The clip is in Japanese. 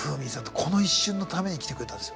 この一瞬のために来てくれたんですよ。